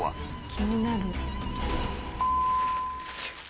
「気になる」